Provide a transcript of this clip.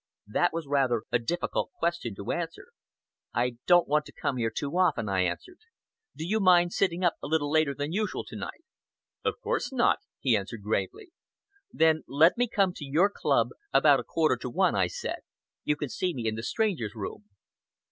That was rather a difficult question to answer. "I don't want to come here too often," I answered. "Do you mind sitting up a little later than usual tonight?" "Of course not," he answered gravely. "Then let me come to your club about a quarter to one," I said. "You can see me in the strangers' room."